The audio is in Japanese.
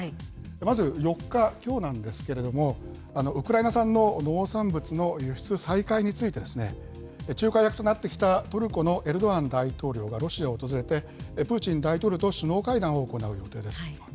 まず４日、きょうなんですけれども、ウクライナ産の農産物の輸出再開について、仲介役となってきたトルコのエルドアン大統領がロシアを訪れて、プーチン大統領と首脳会談を行う予定です。